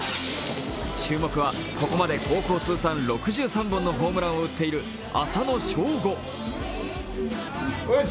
注目はここまで高校通算６３本のホームランを打っている浅野翔吾。